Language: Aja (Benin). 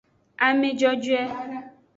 Ame jojoe.